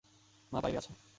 মা বাইরে আছে।